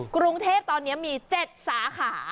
กรุงเทพตอนนี้มี๗สาขา